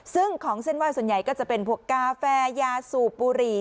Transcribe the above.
ซึ่งของเส้นไหว้ส่วนใหญ่ก็จะเป็นพวกกาแฟยาสูบบุหรี่